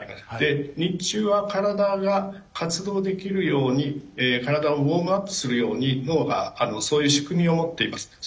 日中は体が活動できるように体をウォームアップするように脳がそういう仕組みを持っています。